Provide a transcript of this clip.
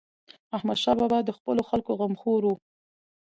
احمدشاه بابا د خپلو خلکو غمخور و.